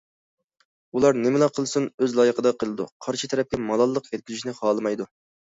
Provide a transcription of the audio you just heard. ئۇلار نېمىلا قىلسۇن، ئۆز لايىقىدا قىلىدۇ، قارشى تەرەپكە مالاللىق يەتكۈزۈشنى خالىمايدۇ.